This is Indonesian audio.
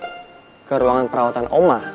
oma mau dianterin ke ruangan perawatan oma